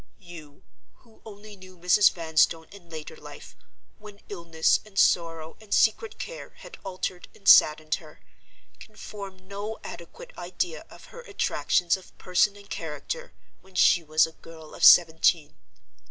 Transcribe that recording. "You, who only knew Mrs. Vanstone in later life, when illness and sorrow and secret care had altered and saddened her, can form no adequate idea of her attractions of person and character when she was a girl of seventeen.